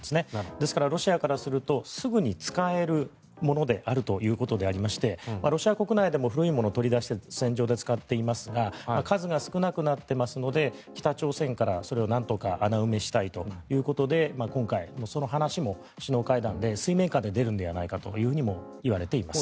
ですからロシアからするとすぐに使えるものであるということでありましてロシア国内でも古いものを取り出して戦場で使っていますが数が少なくなっていますので北朝鮮から、それをなんとか穴埋めしたいということで今回その話も首脳会談で水面下で出るのではないかともいわれています。